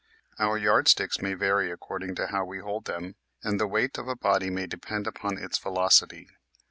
Our yardsticks may vary according to how we hold them and the weight of a body may depend upon its velocity.